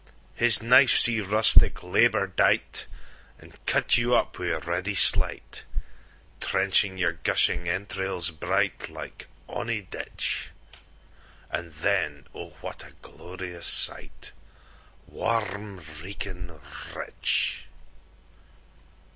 His knife see rustic Labour dight, An' cut you up wi' ready sleight, Trenching your gushing entrails bright, Like ony ditch; And then, O what a glorious sight, Warm reekin', rich!